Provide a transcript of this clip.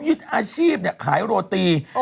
ก็ยึดอาชีพเนี่ยขายโหลตี